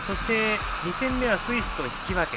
２戦目はスイスと引き分け。